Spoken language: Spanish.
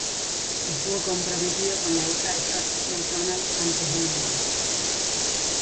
Estuvo comprometido con la hija de George MacDonald antes de morir.